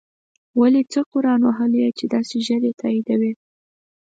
ولی څه قرآن وهلی یی چی داسی ژر یی تاییدوی